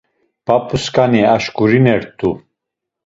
P̌ap̌usǩani aşǩurinert̆u.